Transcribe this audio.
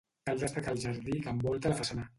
Cal destacar el jardí que envolta la façana.